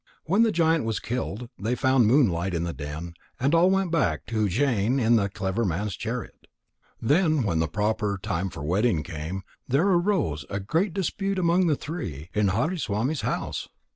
When the giant was killed, they found Moonlight in the den and all went back to Ujjain in the clever man's chariot. Then when the proper time for wedding came, there arose a great dispute among the three in Hariswami's house.